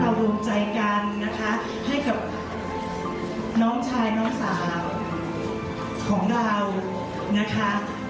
รวมใจกันนะคะให้กับน้องชายน้องสาวของเรานะคะ